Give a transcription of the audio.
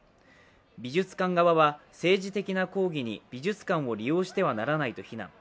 美術館側は、政治的な抗議に美術館を利用してはならないと非難。